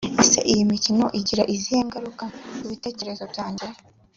ese iyi mikino igira izihe ngaruka ku bitekerezo byanjye